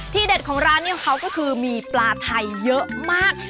เด็ดของร้านนี้ของเขาก็คือมีปลาไทยเยอะมาก